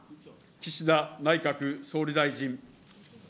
岸田内閣総理大臣。